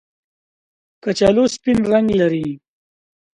کچالو سپین رنګ لري